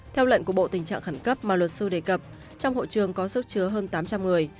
theo lệnh của bộ tình trạng khẩn cấp mà luật sư đề cập trong hội trường có sức chứa hơn tám trăm linh người